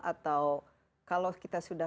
atau kalau kita sudah